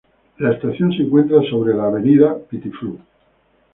La estación se encuentra sobre la "Av.